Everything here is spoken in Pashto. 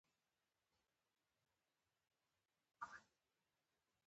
دلته په تونل کې شريف پروفيسر ته مخ واړوه.